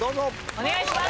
お願いします。